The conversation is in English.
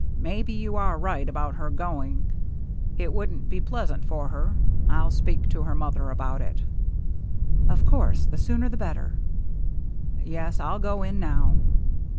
" Maybe you are right about her going. It wouldn't be pleasant for her. I'll speak to her mother about it." " Of course, the sooner the better." "Yes. I'll go in now."